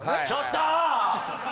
ちょっと！